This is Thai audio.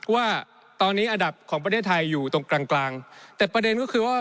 ว่าตอนนี้อันดับของประเทศไทยอยู่ตรงกลางกลางแต่ประเด็นก็คือว่า